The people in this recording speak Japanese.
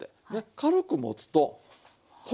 軽く持つとほら！